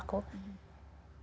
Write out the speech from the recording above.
dan aku sangat berterima kasih